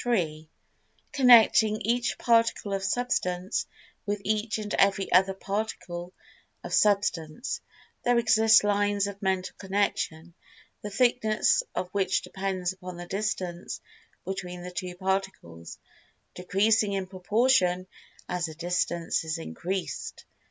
—Connecting each Particle of Substance with each and every other Particle of Substance, there exists "lines" of Mental Connection, the "thickness" of which[Pg 198] depends upon the distance between the two particles, decreasing in proportion as the distance is increased.